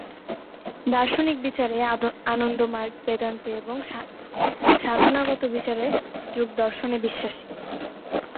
দার্শনিক বিচারে আনন্দমার্গ বেদান্তে এবং সাধনাগত বিচারে যোগদর্শনে বিশ্বাসী।